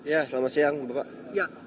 ya selamat siang bapak